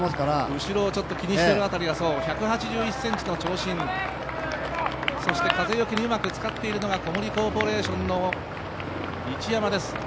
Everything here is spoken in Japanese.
後ろを気にしているあたりがそう、１８１ｃｍの長身そして風よけにうまく使っているのが小森コーポレーションの市山です。